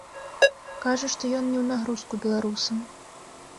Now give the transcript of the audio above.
Кажа, што ён не ў нагрузку беларусам.